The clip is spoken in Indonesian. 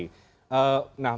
nah berkaitan dengan